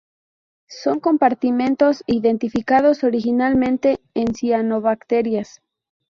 Son compartimentos identificados originalmente en Cianobacterias.